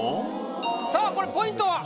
さぁこれポイントは？